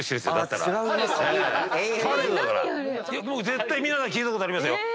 絶対皆さん聴いたことあります。